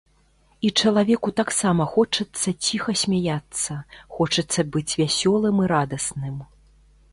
І чалавеку таксама хочацца ціха смяяцца, хочацца быць вясёлым і радасным.